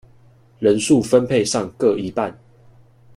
人數分配上各一半